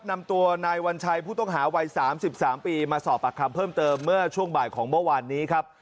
นำตัวนายวัญชัยผู้ต้องหาวัย๓๓ปีมาสอบปากคำเพิ่มเติมเมื่อช่วงบ่ายของเมื่อวานนี้ครับ